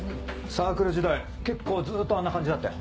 サークル時代結構ずっとあんな感じだったよ。